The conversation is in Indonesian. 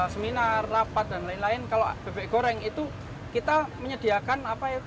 seminar rapat dan lain lain kalau bebek goreng itu kita menyediakan apa ya